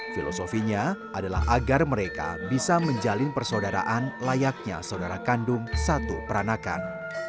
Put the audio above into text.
filosofinya adalah agar mereka bisa menjalin persaudaraan layaknya saudara kandung satu peranakan